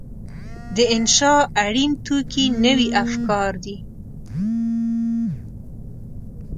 د انشأ اړین توکي نوي افکار دي.